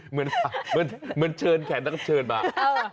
เหมือนเชิญแขกนักเชิญมา